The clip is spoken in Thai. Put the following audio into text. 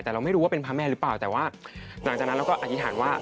แต่เราไม่รู้ว่าเป็นพระแม่หรือเปล่าแต่ว่าหลังจากนั้นเราก็อธิษฐานว่า